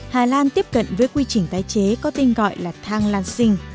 hà lan tiếp cận với quy trình tái chế có tên gọi là thang lansing